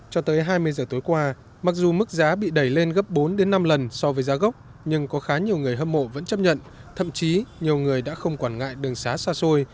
cho tới hai mươi giờ tối qua mặc dù mức giá bị đẩy lên gấp bốn năm lần so với giá gốc nhưng có khá nhiều người hâm mộ vẫn chấp nhận thậm chí nhiều người đã không quản ngại đường xá xa xôi